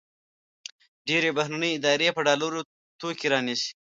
ډېری بهرني ادارې په ډالرو توکي رانیسي.